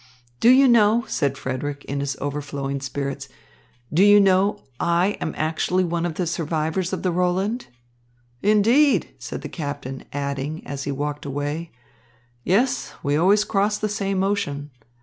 "Do you know," said Frederick in his overflowing spirits, "do you know, I am actually one of the survivors of the Roland?" "Indeed!" said the captain, adding, as he walked away, "Yes, we always cross the same ocean.